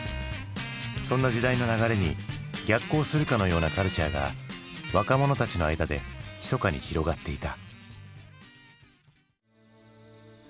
そんな時代の流れに逆行するかのようなカルチャーが若者たちの間でひそかに広がっていた。